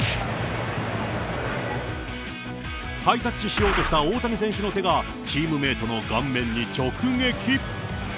ハイタッチしようとした大谷選手の手が、チームメートの顔面に直撃。